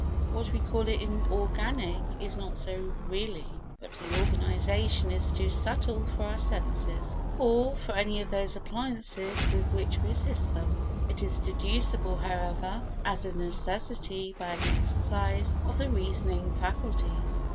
What we call inorganic is not so really, but the organisation is too subtle for our senses or for any of those appliances with which we assist them. It is deducible however as a necessity by an exercise of the reasoning faculties.